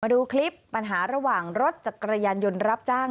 ดูคลิปปัญหาระหว่างรถจักรยานยนต์รับจ้าง